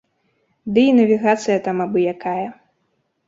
Ды і навігацыя там абы якая.